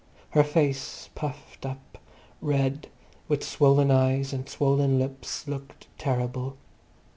Her face, puffed up, red, with swollen eyes and swollen lips, looked terrible.